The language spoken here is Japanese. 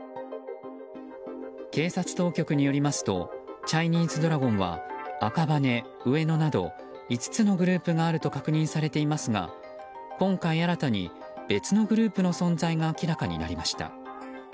警察当局によりますとチャイニーズドラゴンは赤羽、上野など５つのグループがあると確認されていますが今回、新たに別のグループの存在が明らかになりました。